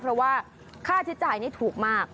เพราะว่าค่าใช้จ่ายนี้ถูกมาก